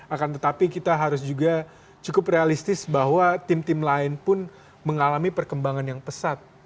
akan tetapi kita harus juga cukup realistis bahwa tim tim lain pun mengalami perkembangan yang pesat